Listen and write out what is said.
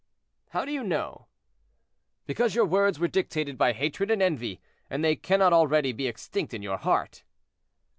"How do you know?" "Because your words were dictated by hatred and envy, and they cannot already be extinct in your heart."